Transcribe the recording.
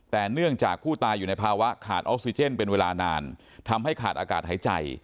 แต่เนื่องจากผู้ตายอยู่ในภาวะขาดออกซิเจนเป็นเวลานานทำให้ขาดอากาศหายใจ